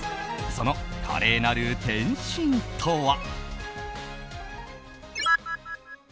その華麗なる転身とは。